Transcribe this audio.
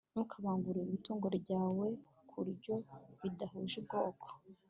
ntukabangurire itungo ryawe ku ryo bidahuje ubwoko